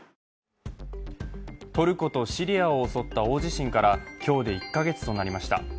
トルコとシリアを襲った大地震から今日で１か月となりました。